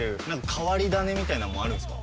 変わり種みたいなのもあるんですか？